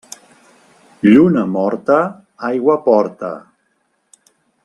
Lluna morta aigua porta.